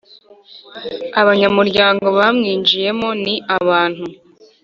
Abanyamuryango bawinjiyemo ni abantu